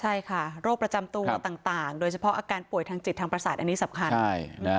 ใช่ค่ะโรคประจำตัวต่างโดยเฉพาะอาการป่วยทางจิตทางประสาทอันนี้สำคัญ